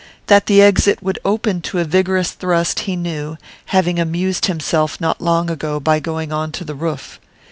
That the exit would open to a vigorous thrust he knew, having amused himself not long ago by going on to the roof.